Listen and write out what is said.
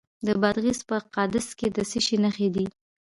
د بادغیس په قادس کې د څه شي نښې دي؟